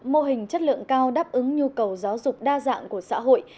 mô hình chất lượng cao đáp ứng nhu cầu giáo dục đa dạng của xã hội